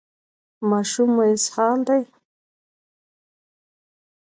ماشوم مو اسهال دی؟